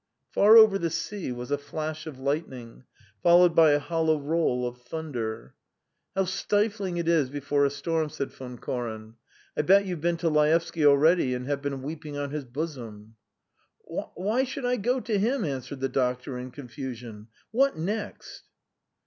Far over the sea was a flash of lightning, followed by a hollow roll of thunder. "How stifling it is before a storm!" said Von Koren. "I bet you've been to Laevsky already and have been weeping on his bosom." "Why should I go to him?" answered the doctor in confusion. "What next?"